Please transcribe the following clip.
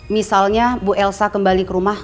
misalnya bu elsa kembali ke rumah